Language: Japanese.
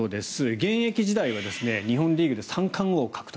現役時代は日本リーグで三冠王を獲得。